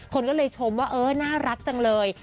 คนก็เลยชมว่าเออน่ารักจังเลย